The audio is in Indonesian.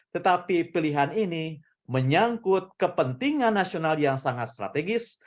tetapi pilihan ini menyangkut kepentingan nasional yang sangat strategis